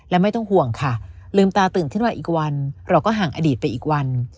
และไม่ต้องห่วงค่ะลืมตาตื่นขึ้นมาอีกวันเราก็ห่างอดีตไปอีกวัน